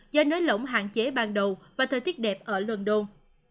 do nới lỏng hạn chế ban đầu và thời tiết đẹp ở london